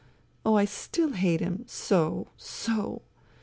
... Oh, I still hate him so .,, so.